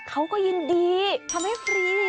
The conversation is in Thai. เขาก็ยินดีทำให้ฟรี